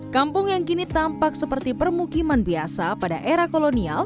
kampung yang kini tampak seperti permukiman biasa pada era kolonial